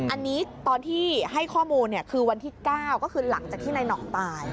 อันนี้ตอนที่ให้ข้อมูลคือวันที่๙ก็คือหลังจากที่นายหน่องตาย